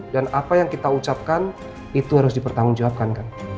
dan apa yang kita ucapkan itu harus dipertanggungjawabkan